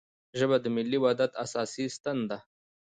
ژبه د ملي وحدت اساسي ستن ده